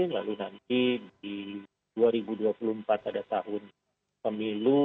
lalu nanti di dua ribu dua puluh empat ada tahun pemilu